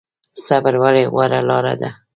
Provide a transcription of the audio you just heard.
صبر ولې غوره لاره ده؟